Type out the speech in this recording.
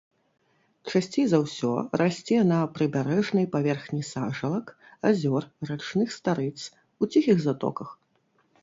Часцей за ўсё расце на прыбярэжнай паверхні сажалак, азёр, рачных старыц, у ціхіх затоках.